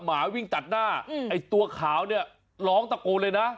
หมาวิ่งตัดหน้าไอ้ตัวขาวเนี่ยร้องตะโกนเลยนะ